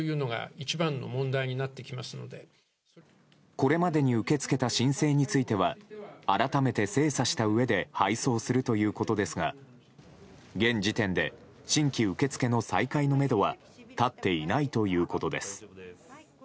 これまでに受け付けた申請については改めて精査したうえで配送するということですが現時点で新規受付の再開のめどは立っていないということです。